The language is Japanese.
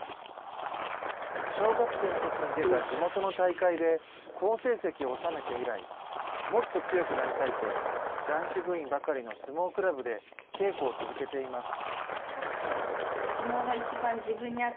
小学生のときに出た地元の大会で好成績を収めて以来、もっと強くなりたいと男子部員ばかりの相撲クラブで稽古を続けています。